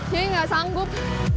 jadi gak sanggup